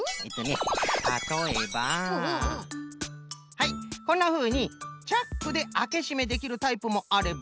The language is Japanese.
はいこんなふうにチャックであけしめできるタイプもあれば。